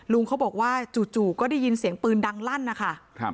ลุงเขาบอกว่าจู่ก็ได้ยินเสียงปืนดังลั่นนะคะ